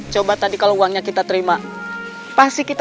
justru kira getah tunggu di tengah industri tinha